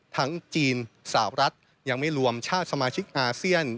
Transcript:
จีนสาวรัฐยังไม่รวมชาติสมาชิกอาเซียน